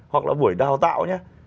hoặc là buổi đào tạo nhé